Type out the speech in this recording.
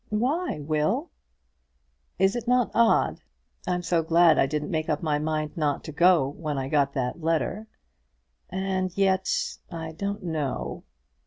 "Why, Will?" "Is it not odd? I'm so glad I didn't make up my mind not to go when I got that letter. And yet I don't know."